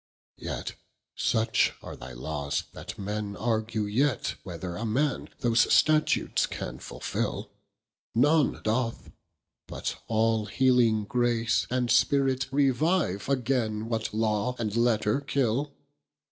Yet such are thy laws, that men argue yet Whether a man those statutes can fulfill; None doth; but all healing grace and spirit Revive againe what law and letter kill.